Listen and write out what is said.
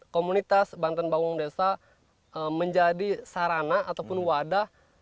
komunitas banten bangun desa menjadi sarana ataupun wadah